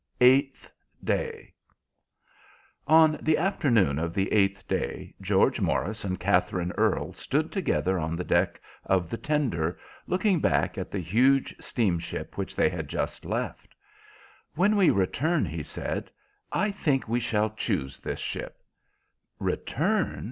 Eighth Day On the afternoon of the eighth day George Morris and Katherine Earle stood together on the deck of the tender, looking back at the huge steamship which they had just left. "When we return," he said, "I think we shall choose this ship." "Return?"